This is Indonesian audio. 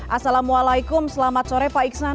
assalamualaikum selamat sore pak iksan